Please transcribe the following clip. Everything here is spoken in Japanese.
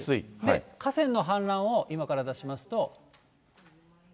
河川の氾濫を今から出しますと。